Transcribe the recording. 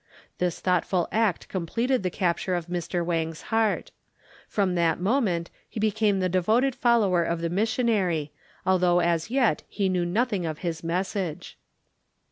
This thoughtful act completed the capture of Mr. Wang's heart. From that moment he became the devoted follower of the missionary although as yet he knew nothing of his message.